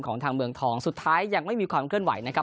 ทางเมืองทองสุดท้ายยังไม่มีความเคลื่อนไหวนะครับ